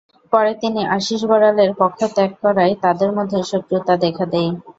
পরে তিনি আশিষ বড়ালের পক্ষ ত্যাগ করায় তাঁদের মধ্যে শত্রুতা দেখা দেয়।